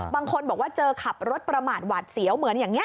บางคนบอกว่าเจอขับรถประมาทหวาดเสียวเหมือนอย่างนี้